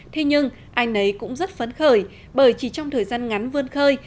thế nhưng anh ấy cũng rất phấn khởi bởi chỉ trong thời gian ngắn vươn khơi